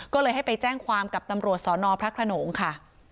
ก็เลยให้ไปแจ้งความกับตำรวจสนพระขนงค่ะ